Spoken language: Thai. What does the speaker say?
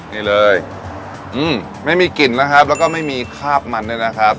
นี่เลยอื้มไม่มีกลิ่นแล้วก็ไม่มีคราบมันด้วยนะครับ